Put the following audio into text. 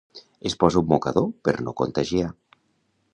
Es posa un mocador per no contagiar.